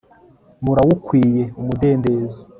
murawukwiye umudendezo